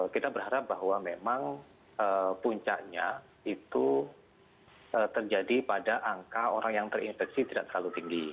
kita berharap bahwa memang puncaknya itu terjadi pada angka orang yang terinfeksi tidak terlalu tinggi